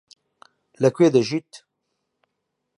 لەکوێ دژیت؟